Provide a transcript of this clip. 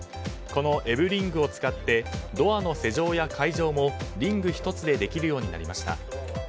このＥＶＥＲＩＮＧを使ってドアの施錠や会場もリング１つでできるようになりました。